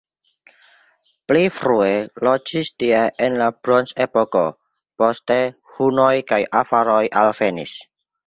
Pli frue loĝis tie en la bronzepoko, poste hunoj kaj avaroj alvenis.